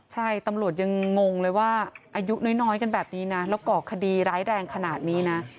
ใช่ตำรวจยังงงเลยว่าอายุน้อยกันแบบนี้นะแล้วก่อคดีร้ายแรงขนาดนี้นะ